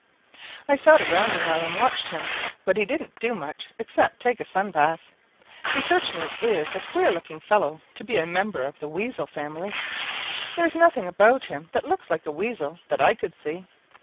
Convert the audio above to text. "I sat around awhile and watched him, but he didn't do much except take a sun bath. He certainly is a queer looking fellow to be a member of the Weasel family. There's nothing about him that looks like a Weasel, that I could see.